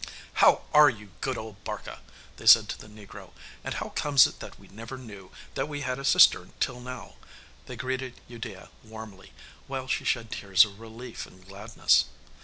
'How are you, good old Barka?' they said to the negro; 'and how comes it that we never knew that we had a sister till now?' and they greeted Udea warmly, while she shed tears of relief and gladness.